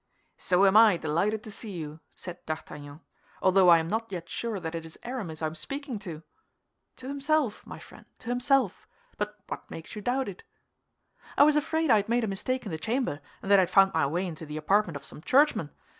"So am I delighted to see you," said D'Artagnan, "although I am not yet sure that it is Aramis I am speaking to." "To himself, my friend, to himself! But what makes you doubt it?" "I was afraid I had made a mistake in the chamber, and that I had found my way into the apartment of some churchman.